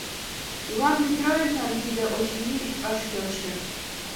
Иван Петровичлан тиде, очыни, ыш келше.